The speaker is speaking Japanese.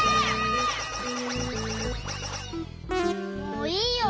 もういいよ。